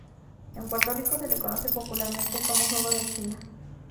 En Puerto Rico se le conoce popularmente como jugo de China.